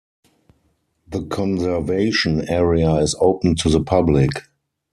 The conservation area is open to the public.